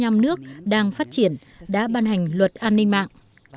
và có một quốc gia đang phát triển luật an ninh mạng